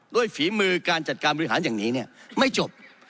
ฝีมือการจัดการบริหารอย่างนี้ไม่จบ